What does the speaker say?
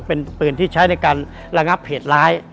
เป็นปืนที่ใช้ในการระงับเหตุร้าย